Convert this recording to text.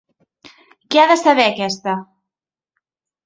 Què ha de saber, aquesta!